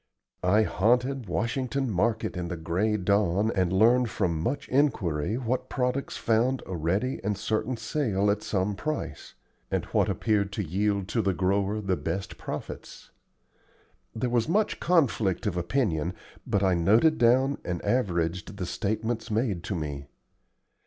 I haunted Washington Market in the gray dawn and learned from much inquiry what products found a ready and certain sale at some price, and what appeared to yield to the grower the best profits. There was much conflict of opinion, but I noted down and averaged the statements made to me.